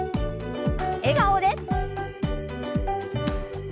笑顔で。